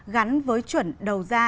gắn với chuẩn đầu ra